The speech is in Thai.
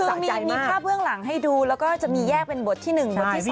คือมีภาพเบื้องหลังให้ดูแล้วก็จะมีแยกเป็นบทที่๑บทที่๔